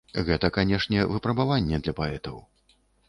Гэта, канешне, выпрабаванне для паэтаў.